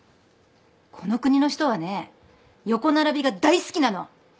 この国の人はね横並びが大好きなの。